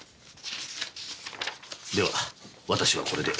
では私はこれで。